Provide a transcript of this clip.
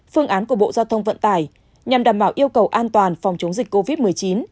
phương án của bộ giao thông vận tải nhằm đảm bảo yêu cầu an toàn phòng chống dịch covid một mươi chín